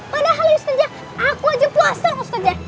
padahal ustazah aku aja puasa ustazah